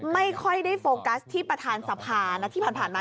ไม่ค่อยได้โฟกัสที่ประธานสภานะที่ผ่านมา